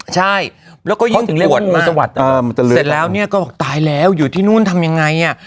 ใช่แล้วก็ยิงถึงเสร็จแล้วเนี่ยก็บอกตายแล้วอยู่ที่นู่นทำยังไงอ่ะ